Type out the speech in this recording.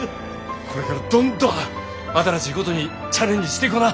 これからどんどん新しいことにチャレンジしていこな。